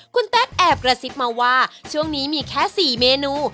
คุณแต๊กแอบกระซิบมาว่าช่วงนี้มีแค่๔เมนู